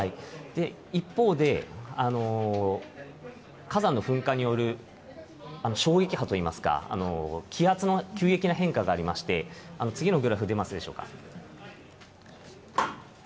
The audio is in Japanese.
一方で、火山の噴火による衝撃波といいますか、気圧の急激な変化がありまして、次のグラフ出ますでしょうか。